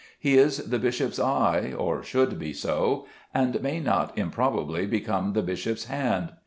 He is the bishop's eye, or should be so, and may not improbably become the bishop's hand.